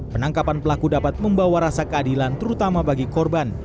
penangkapan pelaku dapat membawa rasa keadilan terutama bagi korban